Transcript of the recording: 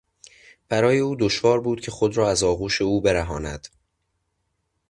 برای او دشوار بود که خود را از آغوش او برهاند.